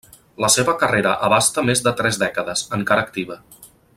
La seva carrera abasta més de tres dècades, encara activa.